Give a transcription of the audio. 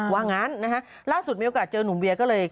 ว่างั้นนะฮะล่าสุดมีโอกาสเจอหนุ่มเวียก็เลย